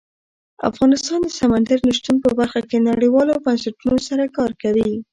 افغانستان د سمندر نه شتون په برخه کې نړیوالو بنسټونو سره کار کوي.